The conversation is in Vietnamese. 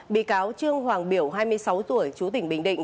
bị cáo trương hoàng biểu hai mươi sáu tuổi chú tỉnh bình định